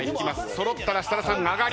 揃ったら設楽さん上がり。